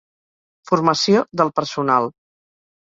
Formació del personal.